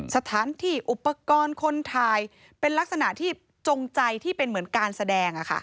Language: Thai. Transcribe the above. สถานที่อุปกรณ์คนถ่ายเป็นลักษณะที่จงใจที่เป็นเหมือนการแสดง